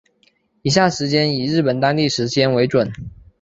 以下时间以日本当地时间为准